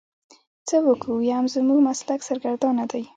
څه وکو ويم زموږ مسلک سرګردانه دی.